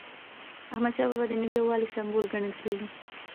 احمدشاه بابا د ملي یووالي سمبول ګڼل کېږي.